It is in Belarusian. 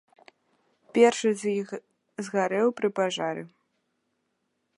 Першы з іх згарэў пры пажары.